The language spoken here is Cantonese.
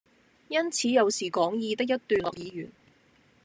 因此有時講義的一段落已完，